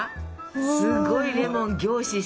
すごいレモン凝視しつつ？